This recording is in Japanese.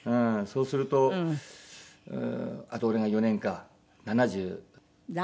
そうするとあと俺が４年か。